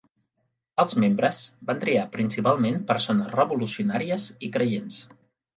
Els membres van triar principalment persones revolucionàries i creients.